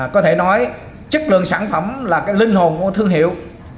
có thể nói chất lượng sản phẩm là cái linh hồn của thương hiệu